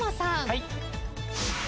はい。